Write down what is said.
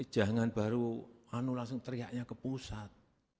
jangan baru anu langsung teriaknya ke pusat